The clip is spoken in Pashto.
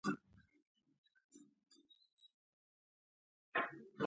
زه د خپلو اولادونو لپاره د نېکمرغۍ دعا کوم.